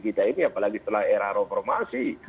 kita ini apalagi setelah era reformasi